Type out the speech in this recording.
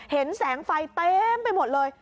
เห็นแสงไฟเต็มไปหมดเลย